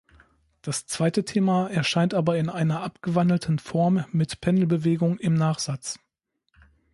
Das zweite Thema erscheint aber in einer abgewandelten Form mit Pendelbewegung im Nachsatz.